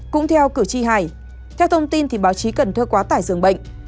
cũng theo cử tri hải theo thông tin thì báo chí cần thơ quá tải dường bệnh